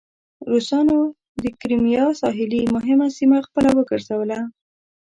روسانو د کریمیا ساحلي مهمه سیمه خپله وګرځوله.